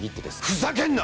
ふざけんな！